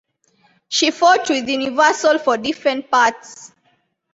She fought with Universal for different parts.